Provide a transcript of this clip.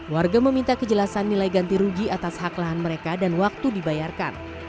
warga meminta kejelasan nilai ganti rugi atas hak lahan mereka dan waktu dibayarkan